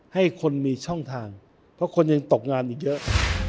ให้คนมีช่องทางเพราะคนยังตกงานอีกเยอะ